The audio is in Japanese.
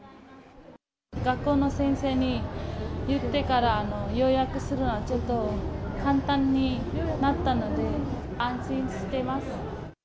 学校の先生に言ってから、予約するのはちょっと簡単になったので、安心してます。